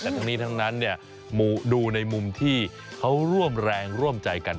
แต่ทั้งนี้ทั้งนั้นดูในมุมที่เขาร่วมแรงร่วมใจกัน